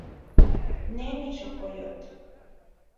Ne nixokoyotl.